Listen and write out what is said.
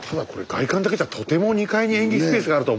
外観だけじゃとても２階に演劇スペースがあるとは思えない。